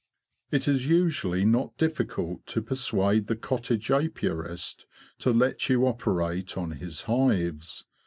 It is usually not difficult to persuade the cottage apiarist to let you operate on his hives.